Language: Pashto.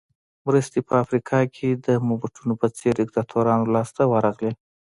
مرستې په افریقا کې د موبوټو په څېر دیکتاتورانو لاس ته ورغلې.